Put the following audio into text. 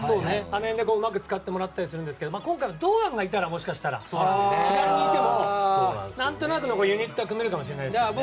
あの辺でうまく使ってもらえますが今回は堂安がいたらもしかしたら左にいても何となくのユニットは組めるかもしれないですからね。